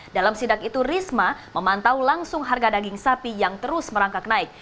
dalam sidak itu risma memantau langsung harga daging sapi yang terus merangkak naik